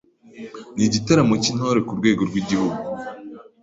n’Igitaramo cy’Intore ku rwego rw’Igihugu.